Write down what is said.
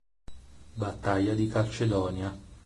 Battaglia di Calcedonia